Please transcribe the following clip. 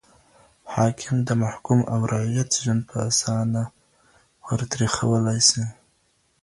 حاکم د محکوم او رعيت ژوند په اسانه ور تريخولای سي